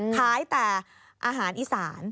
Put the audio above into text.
คล้ายแทนอาหารอีสาน